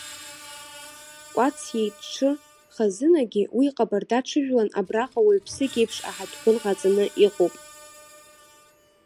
Кәаҵиа иҽы хазынагьы уи ҟабарда ҽыжәлан абраҟа уаҩԥсык иеиԥш аҳаҭгәын ҟаҵаны иҟоуп.